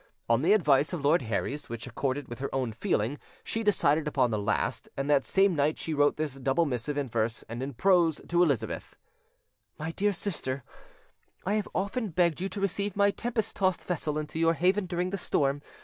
On the advice of Lord Herries, which accorded with her own feeling, she decided upon the last; and that same night she wrote this double missive in verse and in prose to Elizabeth: "MY DEAR SISTER,—I have often enough begged you to receive my tempest tossed vessel into your haven during the storm.